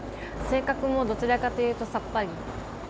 性格もどちらかというとさっぱり。